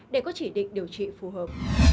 để có chỉ định điều trị phù hợp